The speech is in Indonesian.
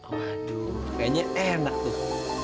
waduh kayaknya enak tuh